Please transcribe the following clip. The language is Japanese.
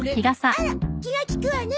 あら気が利くわね